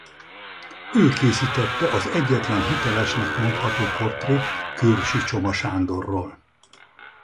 Ő készítette az egyetlen hitelesnek mondható portrét Kőrösi Csoma Sándorról.